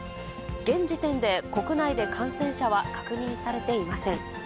現時点で、国内で感染者は確認されていません。